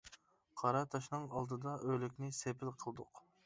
قارا تاشنىڭ ئالدىدا، ئۆلۈكنى سېپىل قىلدۇق.